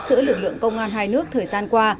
giữa lực lượng công an hai nước thời gian qua